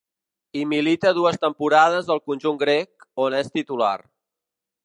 Hi milita dues temporades al conjunt grec, on és titular.